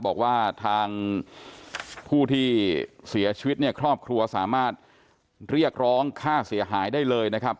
บอกว่าทางผู้ที่เสียชีวิตเนี่ยครอบครัวสามารถเรียกร้องค่าเสียหายได้เลยนะครับ